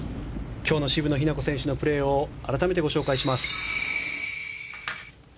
今日の渋野日向子選手のプレーを改めてご紹介します。